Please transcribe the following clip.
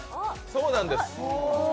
そうなんです。